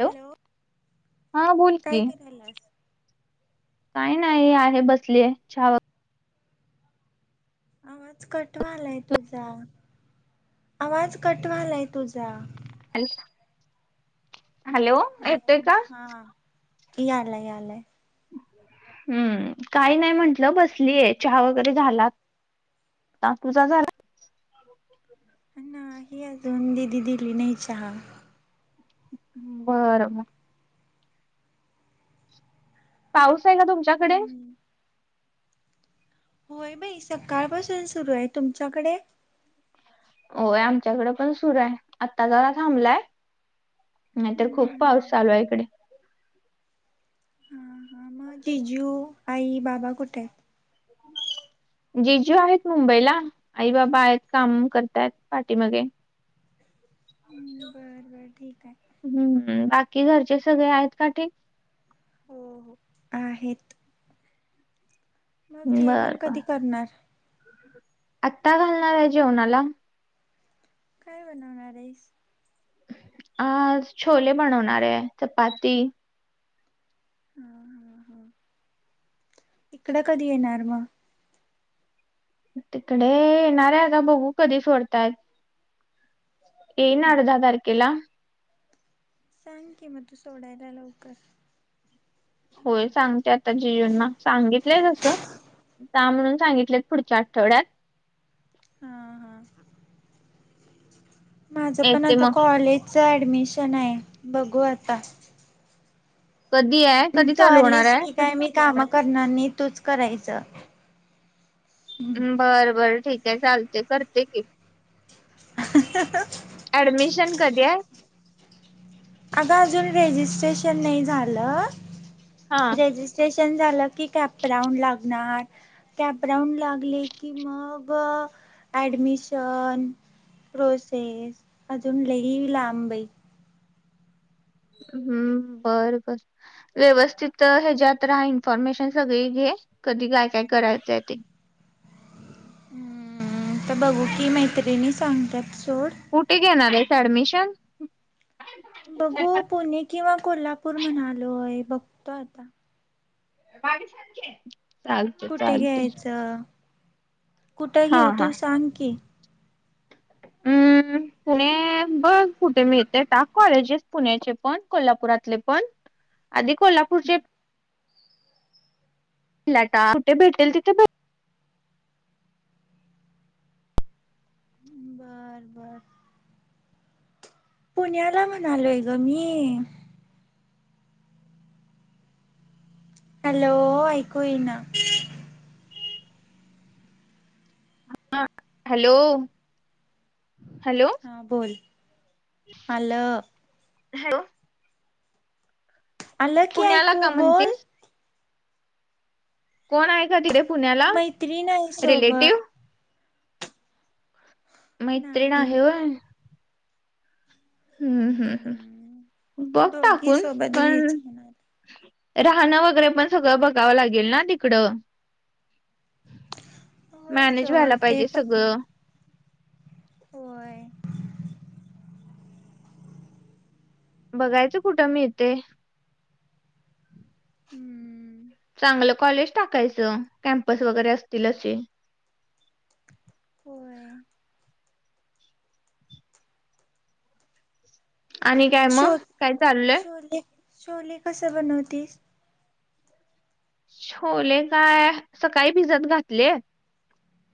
Hello हा बोल काय की. करायलास काही नाही आहे बसली चहा व आवाज कट व्हायला तुझा आवाज. कट व्हायला तुझा. वगैरे हॅलो येतोय हॅलो का? हा यालाय यालाय. हम्म काही नाही म्हंटलं बसलीय चहा वगैरे झाला. ला तुझा झाला. नाही अजून दिदी दिली नाही चहा. बर. पाऊस आहे का तुमच्याकडे? हम्म, होय बाई सकाळ पाासून सुरू आहे तुमच्याकडे.. होय आमच्याकडे पण सुरू आहे आता जरा थांबलाय. नाही तर खूप हम्म, पाऊस चालू आहे इकडे. म जिजू आई बाबा कुठेत? रिकामा ऑडिओ जिजू आहेत मुंबईला आई बाबा आहेत काम करताय पाठी मागे. हम्म, बर बर ठीक आहे हम्म. कि घरचे सगळे आहेत का ठीक? हो हो आहेत. मग बर जेवण बर कधी करणार? आत्ता घालणार आहे जेवणाला. काय बनवणार आहेस? अ छोले बनवणार आहे चपाती.. ह ह इकड कधी येणार मग? तिकडे येणार आहे का बघू कधी सोडताय.. हम्म येणारे दहा तारखेला. सांग की मग तू सोडायला लवकर. होय सांगते आता जीजूंना सांगितलंय तसं.. का म्हणून सांगितलेत पुढच्या आठवड्यात.. हा हा. माझं पण येते आता मग कॉलेजच ऍडमिशन आहे बघू आता. कधी आहे कधी तू चालू होणार आलीस की आहे काय मी काम करणार नाही तूच करायच. बर बर ठीक आहे चालते करते कि. ऍडमिशन कधी आहे अग अजून रजिस्ट्रेशन नाही झालं हा रजिस्ट्रेशन झालं ना तिथे आपण लागणार ऍडमिशन प्रोसेस अजून लय लांब हम् बर बर व्यवस्थित हच्यातहा इन्फॉर्मेशन सगळी घ कधी काय काय करायचंय ते हम्म तर बघू कि मैत्रिणी सांगतात सोड. कुठे घेणार आहेस ऍडमिशन बघू पुणे किंवा कोल्हापूर म्हणालोय बघतो आता चालतं कुठे चालत. घ्यायचं कुठं घेऊ तू सांग की? पुणे.. बघ कुठे मी येते ट कॉलेजेस पुण्याचे पण कोल्हापुरातले पण.. आधी कोल्हापूरचे.. टा कुठे भेटेल तिथेे भेटेल. बर रिकामा बर ऑडिओ पुण्याला म्हणालोय ग मी. हॅलो ऐकू येना हा हॅलो हॅलो हा बोल आल हॅलो आलं की ऐकू का बोल म्हणतेस कोण आहे का तिथे पुण्याला मैत्रीण आहे सोबत. रिलेटिव्ह मैत्रिण नाही आहे वय हम्म हम्म हम् बघ दोघी टाकून सोबत पण घ्यायचं म्हणाले. राहणं वगैरे पण सगळं बघावं लागेल ना तिकडं होय मॅनेज व्हायला सोड पाहिजे सगळं वय बघायचं कुठं मी इथे हम्म चांगलं कॉलेज टाकायचं कॅम्पस वगैरे असतील असे होय आणि काय शो मग काय चाललंय ोले ोले कस बनवतेस छोले काय सकाळी भिजत घातले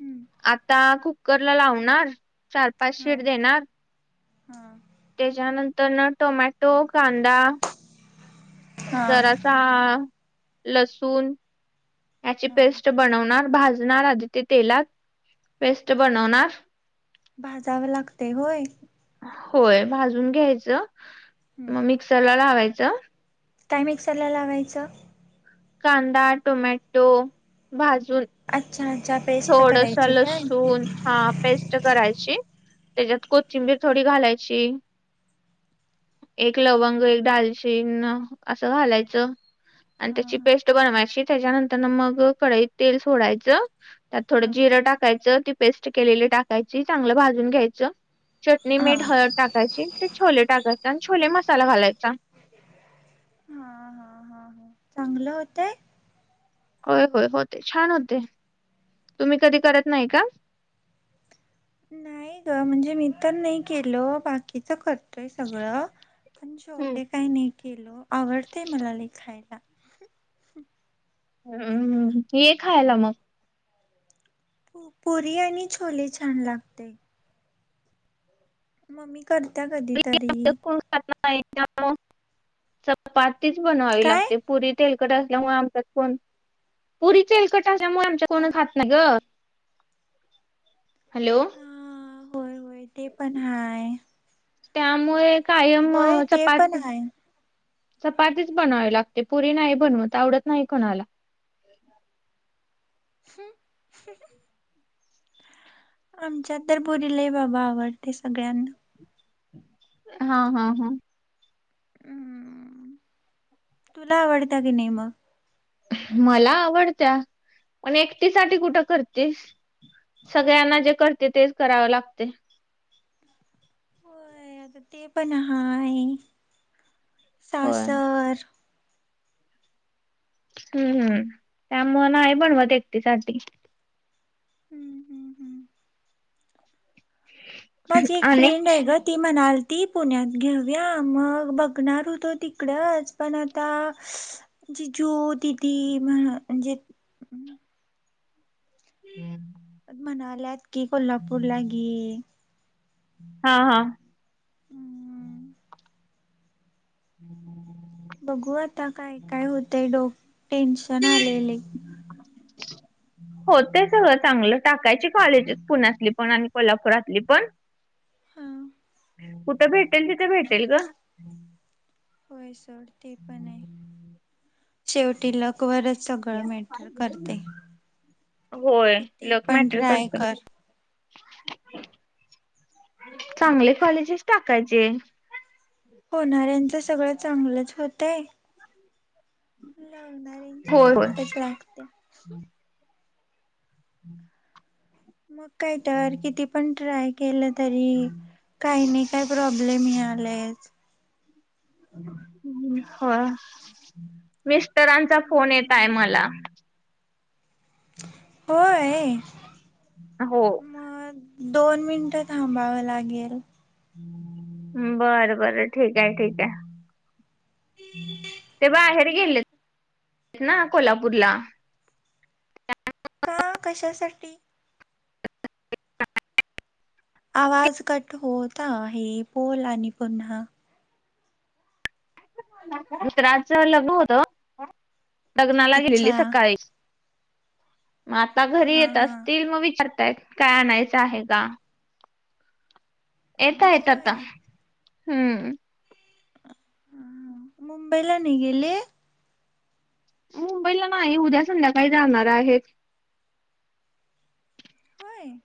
हम्म आता कुकर ला लावणार चार पाच शीड हा देणार हा त्याच्यानंतर न टोमॅटो कांदा हा जरासा लसूण याची हा पेस्ट बनवणार भाजणार आधी ते तेलात पेस्ट बनवणार भाजावं लागतेय होय होय! भाजून घ्यायचं, हम्म म मिक्सरला लावायचं काय मिक्सरला लावायचं? कांदा, टोमॅटो भाजून अच्छा अच्छा पेस्ट थोडस करायची काय? लसूण, हां पेस्ट करायची त्याच्यात कोथिंबीर थोडी घालायची एक हा लवंग एक दालचीन, असं घालायचं आणि हा त्याची हा पेस्ट बनवायची. त्याच्यानंतर न मग कढईत तेल सोडायचं, त्यात थोड हा हा जिरं टाकायचं ती पेस्ट केलेली टाकायची चांगलं भाजून घ्यायचं चटणी, हा मीठ, हळद टाकायची, ते छोले टाकायचे आणि छोले मसाला घालायचा हां हां हां हां चांगलं होतय होय, होय, होते छान होते तुम्ही कधी करत नाही का? नाही ग, म्हणजे मी तर नाही केलं बाकीच करतोय सगळं पण हम्म छोले काही नाही केलं, आवडतेय मला हे खायला हं हं हम्मम ये खायला मग पुरी आणि छोले छान लागतय. मम्मी करतात कधी इथं तरी [unintelligible] चपातीच बनवावी काय? लागते पुरी तेल [unintelligible] असल्यामुळे आमच्यात कोण, पुरी तेलकट असल्यामुळे आमच्यात ह. कोण खात नाही गं हॅलो होय होय, ते पण हांय त्यामुळे कायममं ते पण चपाती हाय. चपातीच बनवावी लागते, पुरी नाही बनवत, आवडत नाही कोणाला. हम्ं हम्मं आमच्या तर पुुरी लई बाबा आवडते सगळ्यांना हां हां हां हम्मम, तुला आवडत की नाय मग [unintelligible] मला आवडत्या, पण एकटीसाठी कुठं करतेस सगळ्यांना जे करते तेच कराव लागते होय, आता ते पण हाहेय होय सासर, हम्म हम त्यामुळं नाही बनवत एकटीसाठी. हम्म हम्म हम्म माझी एक आणि फ्रेंड आहे गं, ती मणाल ती पुण्यात, घेऊया मग बघणार होतो तिकडच, पण आता, श् श् जिजू दिदी म्हण म्हणजे हम्म [unintelligible] म्हणाल्यात कि कोल्हापूरला घे हां हां हम्म. [unintelligible] बघू आता काय काय होतय, डोक टेन्शन आलेलय [unintelligible] हो ते सगळं चांगलं टाकायची, कॉलेजेस पुण्यातली पण आणि कोल्हापुरातली पण हां कुठं भेटेल तिथं भेटेल गं होय सोड ते पण आहे, शेवटी लक वरंच सगळं मॅटर करते. होय किती लक पण मॅटर ट्राय करतय कर. [unintelligible] चांगले कॉलेजेस टाकायचे, होणाऱ्यांचं सगळं चांगलंच होतंय लावणाऱ्यांची होय होय. वाटच लागत्या. हम्! मग काय तर किती पण ट्राय केलं? तरी काही नाही काही प्रॉब्लेम मि आलाय. हो मिस्टरांचा फोन येतय मला. हम्! हो मग दोन मिनट थांबाव लाग गल- बर बर ठीक आहे ठीक आहे ते बाहेर मग गेले ना कोल्हापूरला. का कशासाठी? आवाज कट होत आहे बोल आणि पुन्हा मित्राच लग्न होत लग्नाला गेलेली अच्छा सकाळी. मग आता घरी हा येत हा असतील मग विचारताय काय आणायचं आहे का. येत येत होय आता हम्म! मुंबईला नाही गेले? मुंबईला नाही उद्या संध्याकाळी जाणार आहेत. होय!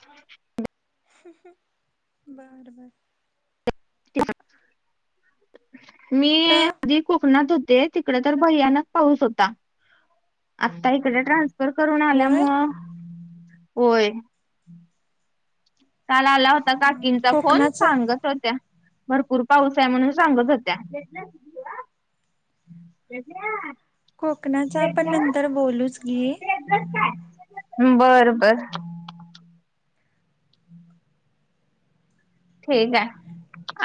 हम! बर बर! मी कुठं आधी कोकनात ते तिकडे तर भयानक पाऊस होता आता इकडे ट्रान्स करून होय आल्यामु होय. काल आला होता काकींचा फोन कोकणाच सांगत होत्या भरपूर पाऊस. म्हणून सांगत होत्या. कोकणाचा आपण नंतर बोलूच घे. बर बर. हम्म! ठीक आहे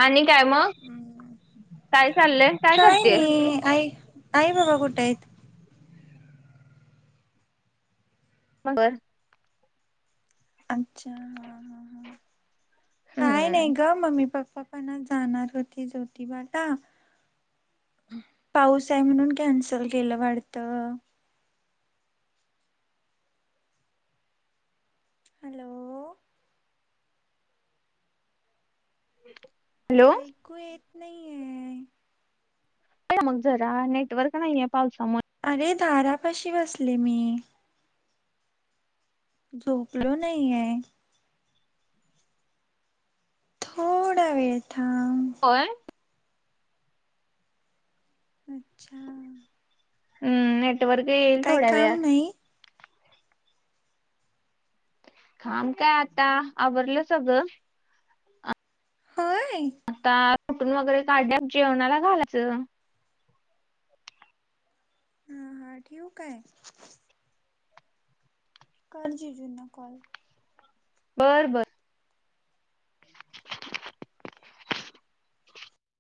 आणि. काय मग काय चाललंय काय करतेय? नाहीई बाबा कुठायत. मगर अच्छा ह ह ह काय हम्म नाही ग मम्मी पप्पा. पना जाणार होती ज्योतिबाला. पाऊस आहे म्हणून कॅन्सल केलं वाढत. हॅलो! होम. ऐकू येत नाहीये? मग जरा नेटवर्क नाही आहेे पावसामुळे. अरे धारापाशी बसली मी. झोपलो नाहीय. थोडा वेळथ होय. अच्छा! हम्म नेटवर्क येईल काही थोड्या काम वेळात नाही? कााम काय आता आवरलं सगळं. होय. आता रोटून वगैरे काढल्यास जेवणाला घालायचं. हा हा ठीक आहे. कलजी जुना कॉल - - बर बर.